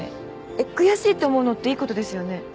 えっ悔しいって思うのっていいことですよね？